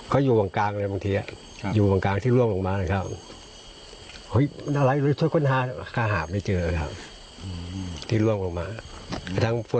คิดว่าเขามาหยอกไหมครับพ่อ